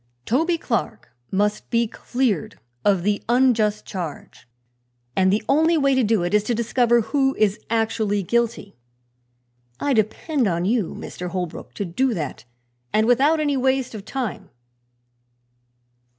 "Toby Clark must be cleared of the unjust charge, and the only way to do it is to discover who is actually guilty. I depend upon you, Mr. Holbrook, to do that, and without any waste of time."